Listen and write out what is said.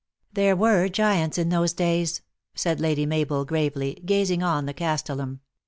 " There were giants in those days," said Lady Mabel, gravely, gazing on the castellum.